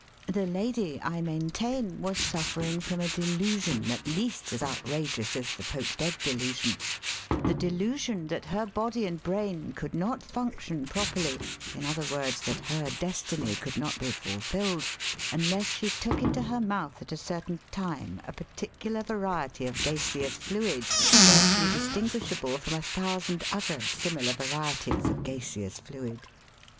The lady, I maintain, was suffering from a delusion at least as outrageous as the poached egg delusion, the delusion that her body and brain could not function properly — ^in other words that her destiny could not be fulfilled — unless she took into her mouth at a certain time a particular variety of gaseous fluid scarcely distinguishable from a thousand other similar varieties of gaseous fluid.